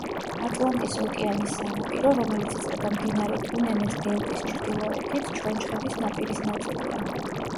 ატლანტის ოკეანის სანაპირო, რომელიც იწყება მდინარე კუნენეს დელტის ჩრდილოეთით, ჩონჩხების ნაპირის ნაწილია.